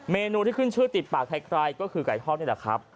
เมนูที่ขึ้นชื่อติดปากใครก็คือไก่ทอดนี่แหละครับ